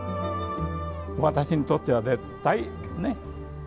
私にとっては絶対ですね。